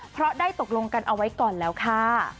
เพราะได้ตกลงกันเอาไว้ก่อนแล้วค่ะ